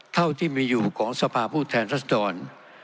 เท่าที่มีอยู่ของสภาพผู้แทนรัศดร